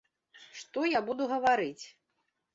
Што буду я гаварыць?